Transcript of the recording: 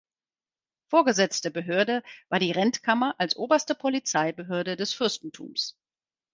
Vorgesetzte Behörde war die Rentkammer als oberste Polizeibehörde des Fürstentums.